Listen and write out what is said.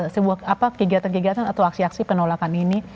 sebuah kegiatan kegiatan atau aksi aksi penolakan ini